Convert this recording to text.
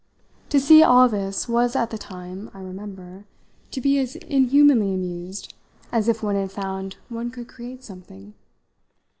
To see all this was at the time, I remember, to be as inhumanly amused as if one had found one could create something.